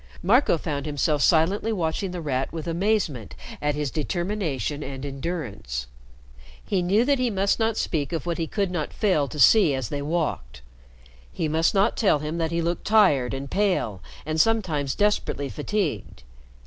Marco found himself silently watching The Rat with amazement at his determination and endurance. He knew that he must not speak of what he could not fail to see as they walked. He must not tell him that he looked tired and pale and sometimes desperately fatigued.